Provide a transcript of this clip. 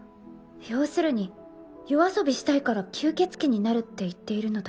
要するに夜遊びしたいから吸血鬼になるって言っているのだ